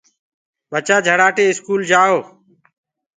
ڀچآ جھڙآٽي اسڪول ڪآؤ۔